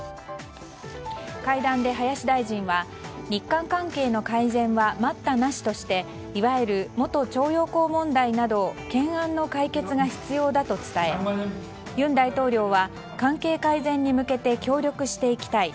会談で林大臣は日韓関係の改善は待ったなしとしていわゆる元徴用工問題など懸案の解決が必要だと伝え尹大統領は関係改善に向けて協力していきたい